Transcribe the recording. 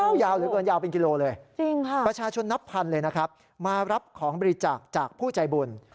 ยาวเหลือเกินยาวเป็นกิโลเลยประชาชนนับพันเลยนะครับมารับของบริจาคจากผู้ใจบุญ